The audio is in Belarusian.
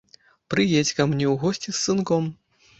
Прыедзь ка мне ў госці з сынком.